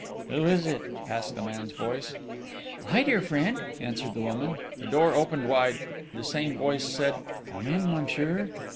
"Who is it?" asked a man's voice. "I, dear friend," answered the woman. The door opened wide: the same voice said: "Come in, monsieur."